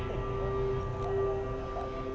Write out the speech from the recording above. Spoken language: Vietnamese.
tôi chiến đấu